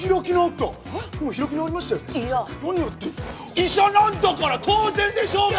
医者なんだから当然でしょうが！